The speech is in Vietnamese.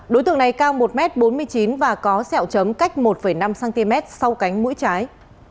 đối tượng này cao một m bốn mươi chín và có sẹo chấm cách một năm cm sau cánh mũi trái